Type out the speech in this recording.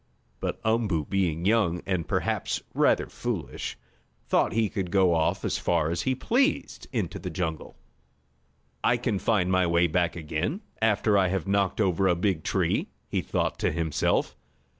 But Umboo being young, and perhaps rather foolish, thought he could go off as far as he pleased into the jungle. "I can find my way back again, after I have knocked over a big tree," he thought to himself.